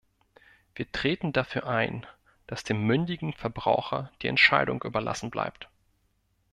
Wir treten dafür ein, dass dem mündigen Verbraucher die Entscheidung überlassen bleibt.